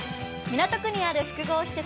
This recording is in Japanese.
港区にある複合施設